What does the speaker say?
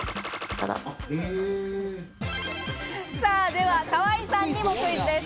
では河井さんにもクイズです。